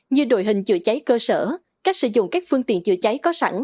như đội hình chữa cháy cơ sở cách sử dụng các phương tiện chữa cháy có sẵn